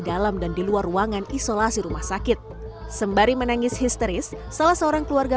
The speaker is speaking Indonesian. dalam dan di luar ruangan isolasi rumah sakit sembari menangis histeris salah seorang keluarga